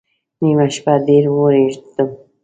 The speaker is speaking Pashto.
نیمه شپه ډېر ووېرېدم